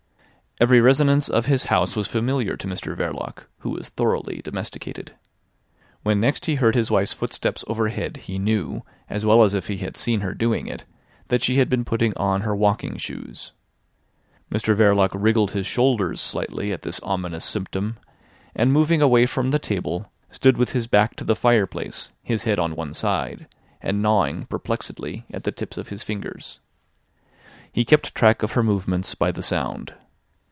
Every resonance of his house was familiar to Mr Verloc, who was thoroughly domesticated. When next he heard his wife's footsteps overhead he knew, as well as if he had seen her doing it, that she had been putting on her walking shoes. Mr Verloc wriggled his shoulders slightly at this ominous symptom, and moving away from the table, stood with his back to the fireplace, his head on one side, and gnawing perplexedly at the tips of his fingers. He kept track of her movements by the sound.